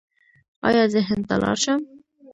ایا زه هند ته لاړ شم؟